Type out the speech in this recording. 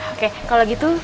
oke kalau gitu